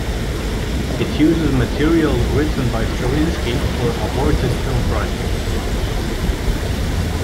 It uses material written by Stravinsky for aborted film projects.